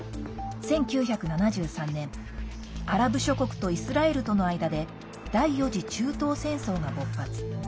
１９７３年アラブ諸国とイスラエルとの間で第４次中東戦争が勃発。